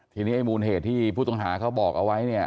ทีนี้ไอ้มูลเหตุที่ผู้ต้องหาเขาบอกเอาไว้เนี่ย